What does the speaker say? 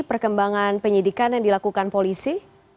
perkembangan penyidikan yang dilakukan polisi